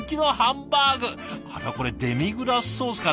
あらこれデミグラスソースかな？